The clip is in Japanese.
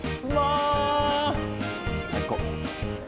最高！